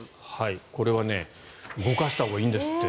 これは動かしたほうがいいんですって。